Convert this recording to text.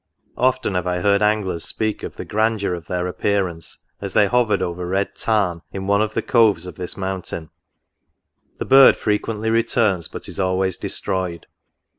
Often have I heard anglers speak of the grandeur of their appearance, as they hovered over Red Tarn, in one NOTES. 4S of the coves of this mountain. The bird frequently returns, but is always destroyed.